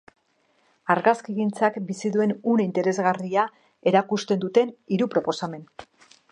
Argazkigintzak bizi duen une interesgarria erakusten duten hiru proposamen.